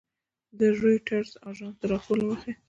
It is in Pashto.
د رویټرز اژانس د راپور له مخې